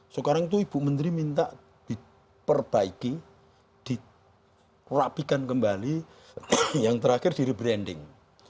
sekarang itu ibu menteri minta diperbaiki dirapikan kembali yang terakhir di rebranding